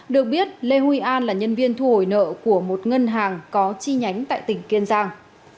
được biết lê huy an là nhân viên thu hồi nợ của một ngân hàng có chi nhánh tại tỉnh kiên giang